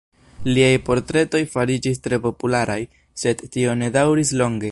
Liaj portretoj fariĝis tre popularaj, sed tio ne daŭris longe.